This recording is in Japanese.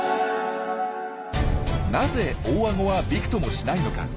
なぜ大あごはびくともしないのか？